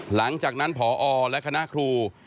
หลังจากนั้นพอและคณะครู